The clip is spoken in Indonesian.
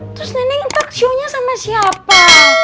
terus nenek ntar shownya sama siapa